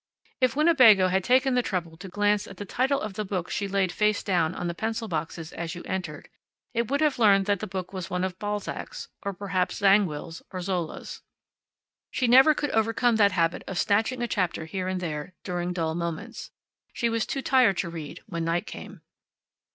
If Winnebago had taken the trouble to glance at the title of the book she laid face down on the pencil boxes as you entered, it would have learned that the book was one of Balzac's, or, perhaps, Zangwill's, or Zola's. She never could overcome that habit of snatching a chapter here and there during dull moments. She was too tired to read when night came.